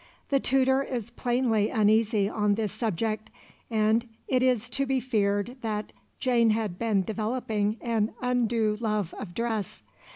The tutor is plainly uneasy on this subject, and it is to be feared that Jane had been developing an undue love of dress.